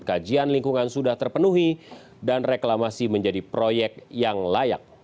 kajian lingkungan sudah terpenuhi dan reklamasi menjadi proyek yang layak